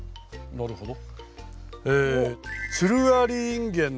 なるほど。